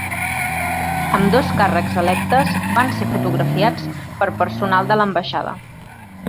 Ambdós càrrecs electes van ser fotografiats per personal de l’ambaixada.